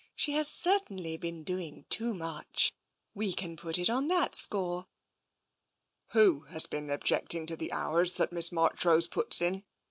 She has certainly been doing too much. We can put it on that score." "Who has been objecting to the hours that Miss Marchrose puts in